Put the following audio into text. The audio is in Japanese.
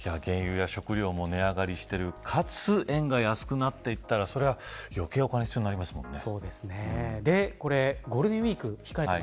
原油や食料も値上がりしているかつ円が安くなっていったらそりゃ、余計にお金が必要になりますものね。